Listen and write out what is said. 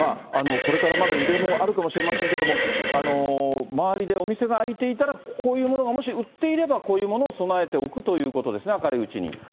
これからまだ揺れもあるかもしれませんけれども、周りでお店が開いていたら、こういうものがもし売っていれば、こういうものを備えておくというそうですね。